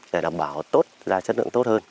để đảm bảo tốt ra chất lượng tốt hơn